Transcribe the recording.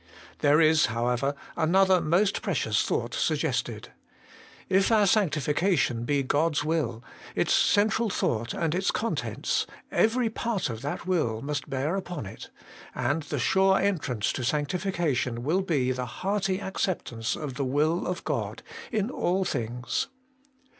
There is, however, another most precious thought suggested. If our sanctification be God's will, its central thought and its contents, every part of that will must bear upon it, and the sure entrance to sanctifica tion will be the hearty acceptance of the will of God in all things.